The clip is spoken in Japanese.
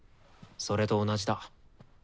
それと同じだ。